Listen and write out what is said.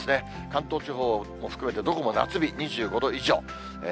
関東地方も含めてどこも夏日、２５度以上。